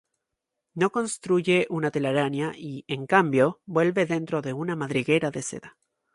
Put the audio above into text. No construye una telaraña y, en cambio, vive dentro de una madriguera de seda.